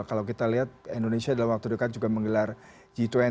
kalau kita lihat indonesia dalam waktu dekat juga menggelar g dua puluh